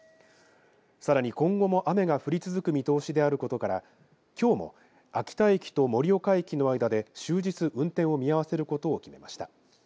さらに今後も雨が降り続く見通しであることからきょうも秋田駅と盛岡駅の間で終日運転を見合わせることを決めました。